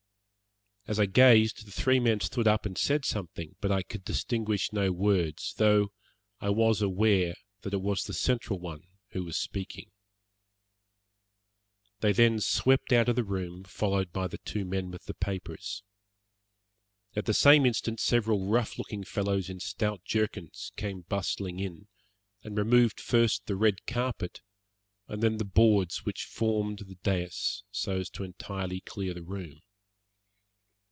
As I gazed the three men stood up and said something, but I could distinguish no words, though I was aware that it was the central one who was speaking. They then swept out of the room, followed by the two men with the papers. At the same instant several rough looking fellows in stout jerkins came bustling in and removed first the red carpet, and then the boards which formed the dais, so as to entirely clear the room.